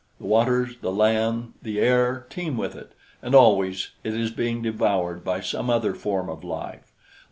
The waters, the land, the air teem with it, and always it is being devoured by some other form of life.